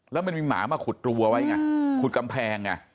แล้วมันมีหมามาขุดรัวไว้ไงขุดกำแพงไง